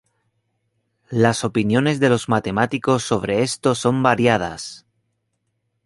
Las opiniones de los matemáticos sobre esto son variadas.